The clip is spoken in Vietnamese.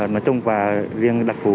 nói chung và riêng đặc vụ